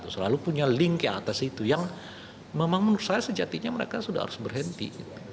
selalu punya link yang atas itu yang memang menurut saya sejatinya mereka sudah harus berhenti